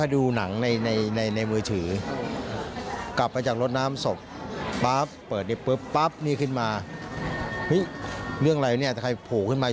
ยังหนุ่มมาพอ๑๑๕ค่ะ